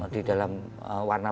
di dalam warna